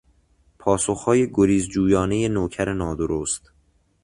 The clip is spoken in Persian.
پاسخهای گریز جویانهی نوکر نادرست